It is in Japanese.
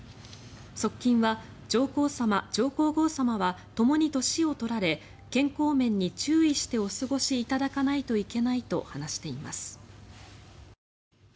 側近は上皇さま、上皇后さまはともに年を取られ健康面に注意してお過ごしいただかないといけないと話しています。